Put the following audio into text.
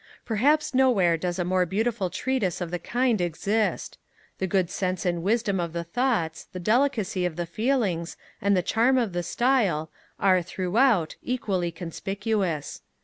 Perhaps nowhere does a more beautiful treatise of the kind exist. The good sense and wisdom of the thoughts, the delicacy of the feelings, and the charm of the style, are, throughout, equally conspicuous.